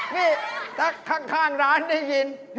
นี่ถ้าข้างร้านได้ยิน